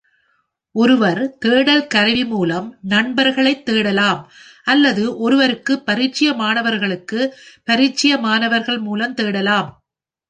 ஒருவர் தேடல் கருவி மூலம் நண்பர்களைத் தேடலாம் அல்லது ஒருவருக்கு பரிச்சயமானவர்களுக்கு பரிச்சயமானவர்கள் மூலம் தேடலாம்.